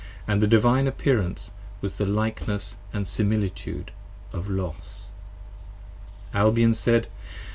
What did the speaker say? And the Divine Appearance was the likeness & similitude of Los. Albion said.